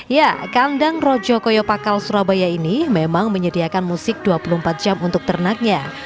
ya kandang rojo koyo pakal surabaya ini memang menyediakan musik dua puluh empat jam untuk ternaknya